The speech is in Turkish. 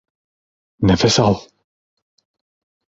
Nefes al!